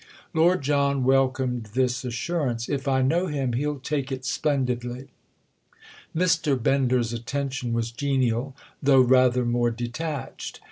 Lord John welcomed this assurance. "If I know him he'll take it splendidly!" Mr. Bender's attention was genial, though rather more detached.